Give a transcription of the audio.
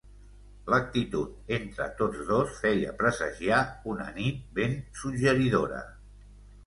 L’actitud entre tots dos feia presagiar una nit ben suggeridora...